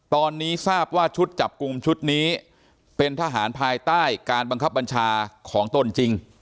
ตอนนี้ทราบว่าชุดจับกลุ่มชุดนี้เป็นทหารภายใต้การบังคับบัญชาของตนจริง